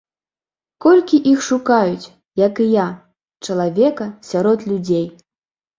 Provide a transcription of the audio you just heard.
Колькі іх шукаюць, як і я, чалавека сярод людзей.